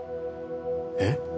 えっ？